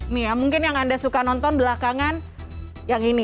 mia mungkin yang anda suka nonton belakangan yang ini